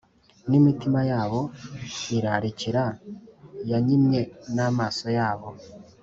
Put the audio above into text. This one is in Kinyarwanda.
nimitima yabo irarikira yanyimye n’amaso yabo